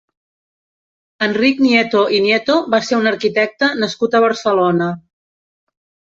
Enric Nieto i Nieto va ser un arquitecte nascut a Barcelona.